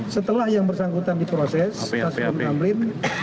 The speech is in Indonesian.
setelah yang bersangkutan diproses kasus bom tamrin